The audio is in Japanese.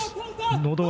のど輪。